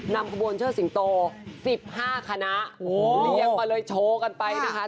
นำขบวนเชิดสิงโต๑๕คณะเลี้ยงมาเลยโชว์กันไปนะคะ